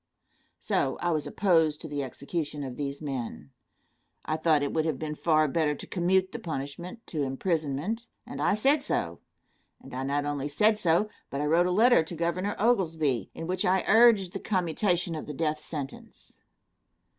So I was opposed to the execution of these men. I thought it would have been far better to commute the punishment to imprisonment, and I said so; and I not only said so, but I wrote a letter to Governor Oglesby, in which I urged the commutation of the death sentence.